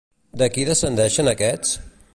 De qui descendeixen aquests?